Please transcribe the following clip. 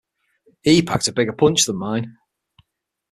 He packed a bigger punch than mine.